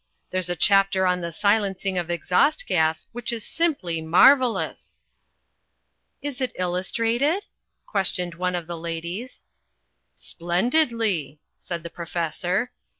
There's a chapter on the silencing of exhaust gas which is simply marvellous." "Is it illustrated?" questioned one of the ladies. "Splendidly," said the professor.